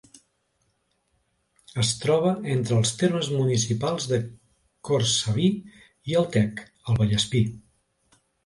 Es troba entre els termes municipals de Cortsaví i el Tec, al Vallespir.